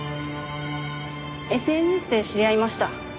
ＳＮＳで知り合いました。